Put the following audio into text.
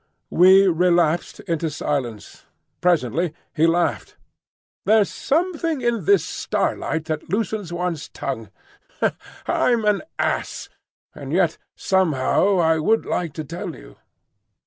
We relapsed into silence. Presently he laughed. "There's something in this starlight that loosens one's tongue. I'm an ass, and yet somehow I would like to tell you."